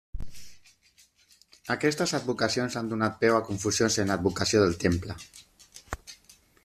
Aquestes advocacions han donat peu a confusions en l'advocació del temple.